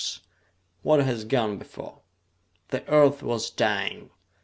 ] WHAT HAS GONE BEFORE The Earth was dying.